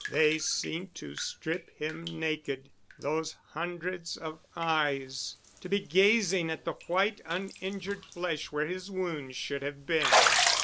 They seemed to strip him naked, those hundreds of eyes, to be gazing at the white uninjured flesh where his wounds should have been.